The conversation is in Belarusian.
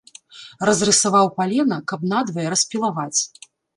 Разрысаваў палена, каб надвае распілаваць.